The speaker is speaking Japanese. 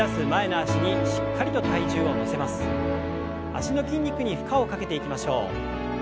脚の筋肉に負荷をかけていきましょう。